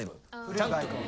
ちゃんと。